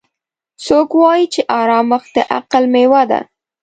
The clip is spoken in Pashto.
څوک وایي چې ارامښت د عقل میوه ده